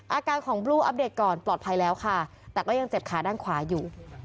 อาการของบลูอัปเดตก่อนปลอดภัยแล้วค่ะแต่ก็ยังเจ็บขาด้านขวาอยู่